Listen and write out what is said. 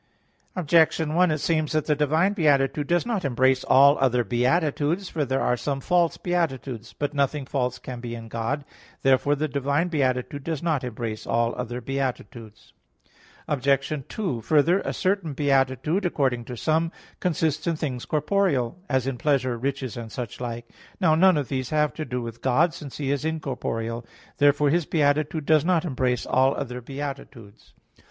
Objection 1: It seems that the divine beatitude does not embrace all other beatitudes. For there are some false beatitudes. But nothing false can be in God. Therefore the divine beatitude does not embrace all other beatitudes. Obj. 2: Further, a certain beatitude, according to some, consists in things corporeal; as in pleasure, riches, and such like. Now none of these have to do with God, since He is incorporeal. Therefore His beatitude does not embrace all other beatitudes.